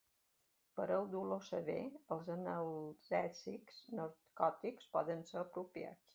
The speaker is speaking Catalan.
Per al dolor sever, els analgèsics narcòtics poden ser apropiats.